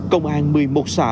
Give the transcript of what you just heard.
công an một mươi một xã